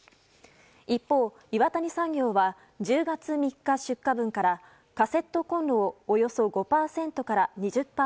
一方、岩谷産業は１０月３日出荷分からカセットこんろをおよそ５％から２０％。